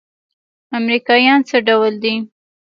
امريکايان څه ډول دي.